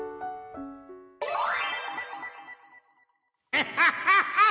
「ハハハハ！